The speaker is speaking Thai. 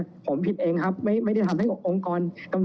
คุณเป็นคนที่ทำคดีเรื่องงานเสพติดเคยมีลักษณะการกระทำลักษณะนี้หรือเปล่าค่ะ